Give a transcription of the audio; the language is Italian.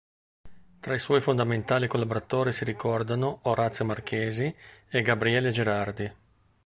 Tra i suoi fondamentali collaboratori si ricordano Orazio Marchesi e Gabriele Gerardi.